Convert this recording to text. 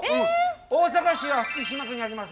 大阪市は福島区にあります